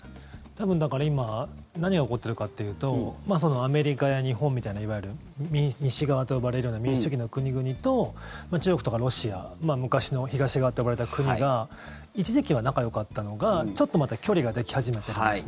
多分、今何が起こっているかというとアメリカや日本みたいないわゆる西側と呼ばれる民主主義の国々と中国とかロシア昔の東側と呼ばれた国が一時期は仲よかったのがちょっとまた距離ができ始めたんです。